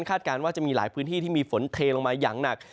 การว่าจะมีหลายพื้นที่ที่มีฝนเทลงมาอย่างหนัก